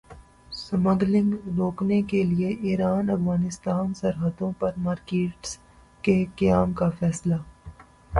smuggling روکنے کیلئے Iran Afghanistan سرحدوں پر مارکیٹس کے قیام کا فیصلہ